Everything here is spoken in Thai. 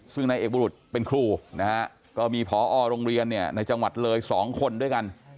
ซึ่งนายเอกบุรุษเป็นครูนะฮะก็มีพอโรงเรียนเนี่ยในจังหวัดเลย๒คนด้วยกัน